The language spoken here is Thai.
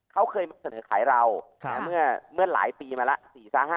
เขาเคยเสนอขายเราเมื่อหลายปีมาแล้ว